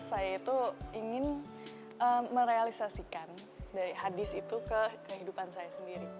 saya itu ingin merealisasikan dari hadis itu ke kehidupan saya sendiri